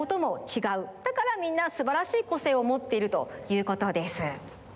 だからみんなすばらしいこせいをもっているということです。